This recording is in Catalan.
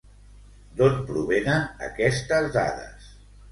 D'on provenen aquestes dades?